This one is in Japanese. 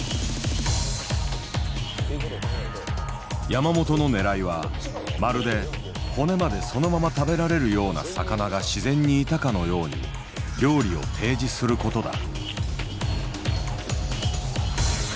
山本のねらいはまるで骨までそのまま食べられるような魚が自然にいたかのように料理を提示する事だ。